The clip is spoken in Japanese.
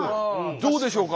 どうでしょうか？